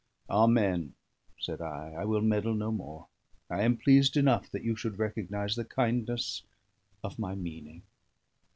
"Amen," said I. "I will meddle no more. I am pleased enough that you should recognise the kindness of my meaning."